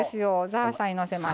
ザーサイのせます。